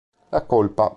La colpa